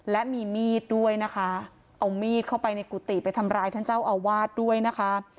และมีมีดด้วยนะคะเอามีดเข้าไปในกุฏิไปทำร้ายท่านเจ้าอาวาสด้วยนะคะ